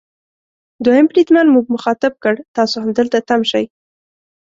دوهم بریدمن موږ مخاطب کړ: تاسو همدلته تم شئ.